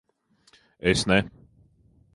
Es ne...